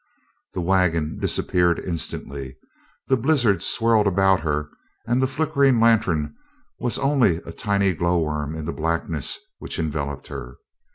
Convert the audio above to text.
The wagon disappeared instantly, the blizzard swirled about her and the flickering lantern was only a tiny glowworm in the blackness which enveloped her.